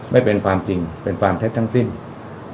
ไม่เป็นจริงเป็นความไม่จริง